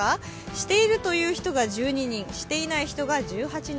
しているという人が１２人、していない人が１８人。